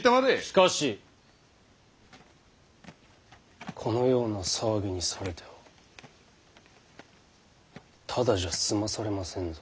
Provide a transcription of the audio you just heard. しかしこのような騒ぎにされてはただじゃ済まされませんぞ。